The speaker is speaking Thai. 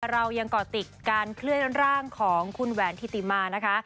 เรายังก่อติดการเคลื่อนร่างของคุณแหวนธิติมานะคะ